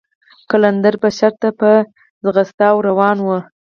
قلندر به شر ته په منډه ور روان و.